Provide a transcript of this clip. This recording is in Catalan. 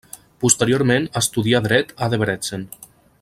Posteriorment estudià dret a Debrecen.